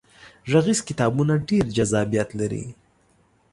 غږیز کتابونه ډیر جذابیت لري.